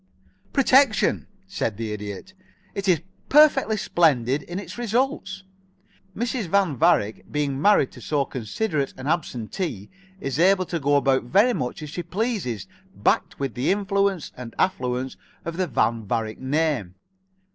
"Protection," said the Idiot. "And it is perfectly splendid in its results. Mrs. Van Varick, being married to so considerate an absentee, is able to go about very much as she pleases backed with the influence and affluence of the Van Varick name.